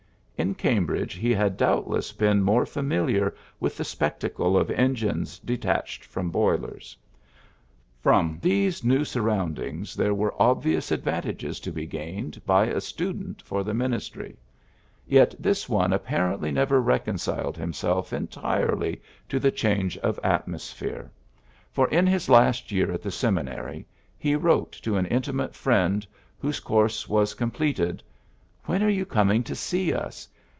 In Cam bridge he had doubtless been more fa miliar with the spectacle of engines detached from boilers. From these new surroundings there were obvious ad PHILLIPS BROOKS 17 vantages to be gained by a student for the ministry. Yet this one apparently never reconciled himself entirely to the change of atmosphere ; for, in his last year at the seminary, he wrote to an intimate friend, whose course was com pleted :^^ When are you coming to see us